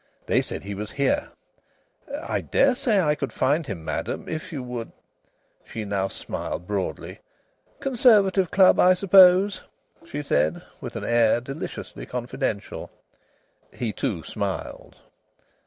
"They said he was here." "I daresay I could find him, madam if you would " She now smiled broadly. "Conservative Club, I suppose?" she said, with an air deliciously confidential. He, too, smiled.